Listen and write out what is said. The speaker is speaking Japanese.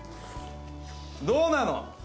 どうなの？